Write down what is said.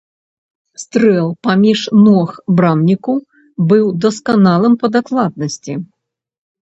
Стрэл паміж ног брамніку быў дасканалым па дакладнасці.